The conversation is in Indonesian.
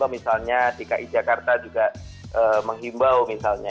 misalnya di ki jakarta juga menghimbau misalnya